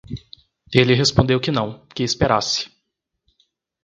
Ele respondeu que não, que esperasse.